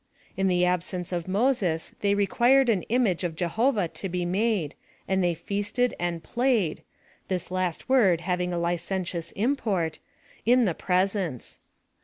In the absence of Moses they re quired an image of Jehovah to be made, and they feasted and ' played' — this last word having a licentious import — in its pres ence.